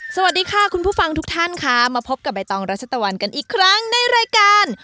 สวัสดีค่ะคุณผู้ฟังทุกท่านค่ะมาพบกับใบตองรัชตะวันกันอีกครั้งในรายการ